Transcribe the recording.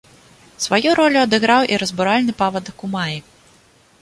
Сваю ролю адыграў і разбуральны павадак у маі.